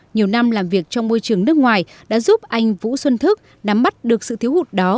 nhiều năm làm việc trong môi trường nước ngoài đã giúp anh vũ xuân thức nắm mắt được sự thiếu hụt đó